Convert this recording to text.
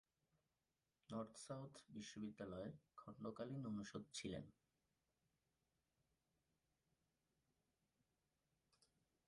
North South বিশ্ববিদ্যালয়ের খণ্ডকালীন অনুষদ ছিলেন।